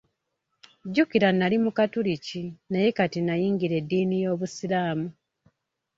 Jjukira nnali Mukatuliki naye kati n'ayingira eddiini y'Obusiraamu.